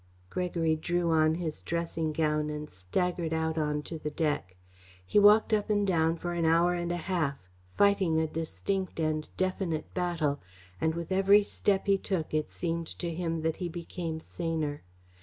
Gregory drew on his dressing gown and staggered out on to the deck. He walked up and down for an hour and a half, fighting a distinct and definite battle, and with every step he took it seemed to him that he became saner.